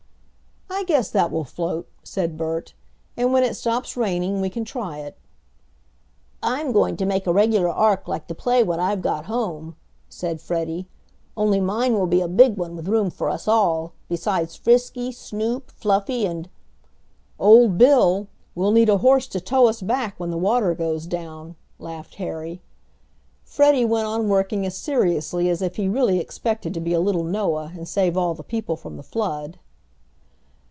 "I guess that will float," said Bert, "and when it stops raining we can try it." "I'm going to make a regular ark like the play one I've got home," said Freddie, "only mine will be a big one with room for us all, besides Frisky, Snoop, Fluffy, and " "Old Bill. We'll need a horse to tow us back when the water goes down," laughed Harry. Freddie went on working as seriously as if he really expected to be a little Noah and save all the people from the flood.